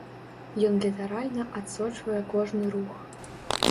Ён літаральна адсочвае кожны рух.